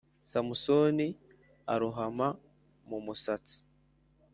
samusoni arohama mu musatsi,